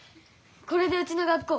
これでうちの学校